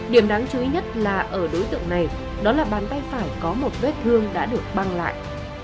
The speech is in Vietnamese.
điểm đáng chú ý nhất là ở đối tượng này đó là bàn tay phải có một vết thương đã được băng lại